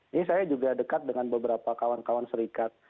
ini saya juga dekat dengan beberapa kawan kawan serikat